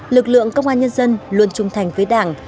lực lượng công an nhân dân luôn trung thành với đảng